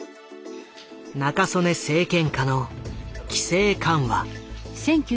中曽根政権下の規制緩和。